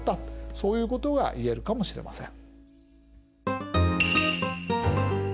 そういうことが言えるかもしれません。